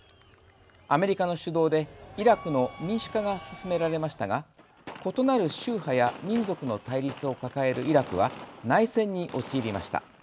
アメリカの主導でイラクの民主化が進められましたが異なる宗派や民族の対立を抱えるイラクは内戦に陥りました。